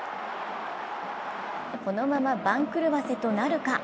このまま番狂わせとなるか？